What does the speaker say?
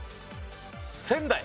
仙台。